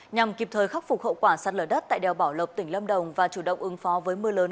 nhằm kịp thời khắc phục hậu quả sát lở đất tại đèo bảo lộc tỉnh lâm đồng và chủ động ứng phó với mưa lớn